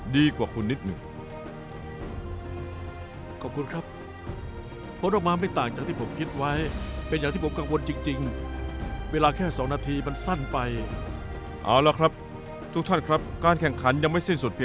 ดุสิดุสิดุเลยดุเลยดุเลย